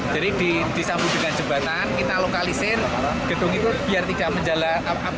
jadi disambung dengan jembatan kita lokalisir gedung itu biar tidak menjalan